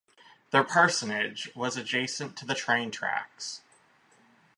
Their parsonage was adjacent to the train tracks.